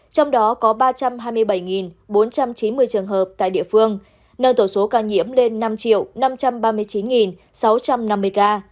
trong đó có ba trăm hai mươi bảy bốn trăm chín mươi trường hợp tại địa phương nâng tổng số ca nhiễm lên năm năm trăm ba mươi chín sáu trăm năm mươi ca